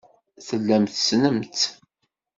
Tellam tessnem-tt.